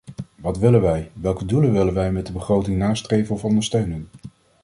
Wat willen wij, welke doelen willen wij met de begroting nastreven of ondersteunen?